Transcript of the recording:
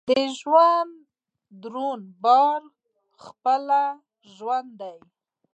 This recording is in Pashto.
د ژوند دروند بار پخپله ژوند دی.